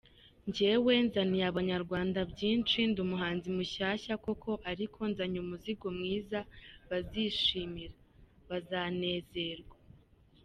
Njyewe nzaniye Abanyarwanda byinshi, ndi umuhanzi mushyashya koko, ariko nzanye umuzigo mwiza, bazishima, bazanezerwa.